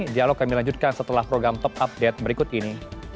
dialog kami lanjutkan setelah program top update berikut ini